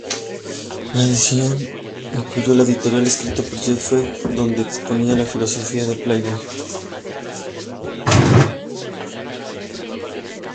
La edición incluyó un editorial escrito por Hefner donde exponía la filosofía de "Playboy".